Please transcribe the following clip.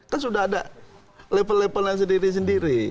kan sudah ada level level yang sendiri sendiri